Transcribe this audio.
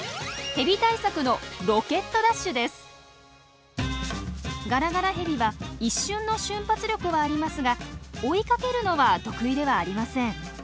ヘビ対策のガラガラヘビは一瞬の瞬発力はありますが追いかけるのは得意ではありません。